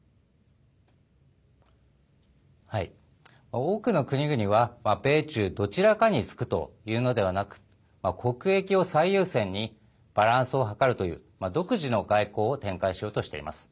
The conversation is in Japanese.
多くの国々は米中どちらかにつくというのではなく国益を最優先にバランスを図るという独自の外交を展開しようとしています。